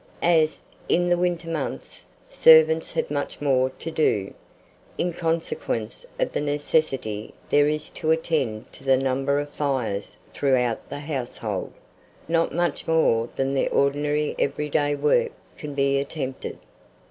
As, in the winter months, servants have much more to do, in consequence of the necessity there is to attend to the number of fires throughout the household, not much more than the ordinary every day work can be attempted.